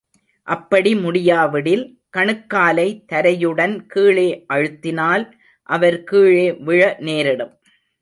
அப்படி முடியாவிடில், கணுக்காலை தரையுடன் கீழே அழுத்தினால் அவர் கீழே விழ நேரிடும்.